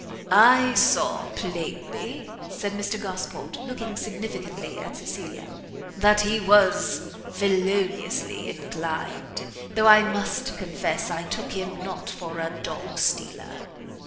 "I saw plainly," said Mr Gosport, looking significantly at Cecilia, "that he was feloniously inclined, though I must confess I took him not for a dog stealer."